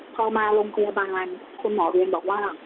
พอมาโรงพยาบาลคุณหมอเวรบอกว่า